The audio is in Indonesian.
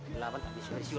belawan tak bisa disiul